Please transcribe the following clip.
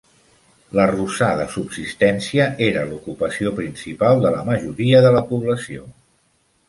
L'arrossar de subsistència era l'ocupació principal de la majoria de la població.